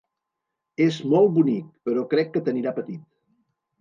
És molt bonic però crec que t'anirà petit.